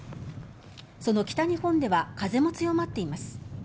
その北日本では風も強まっています。